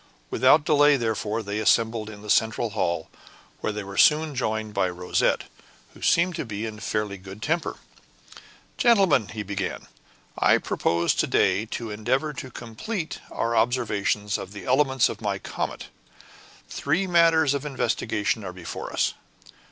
Without delay, therefore, they assembled in the central hall, where they were soon joined by Rosette, who seemed to be in fairly good temper. "Gentlemen," he began, "I propose to day to endeavor to complete our observations of the elements of my comet. Three matters of investigation are before us.